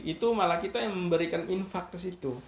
itu malah kita yang memberikan infak ke situ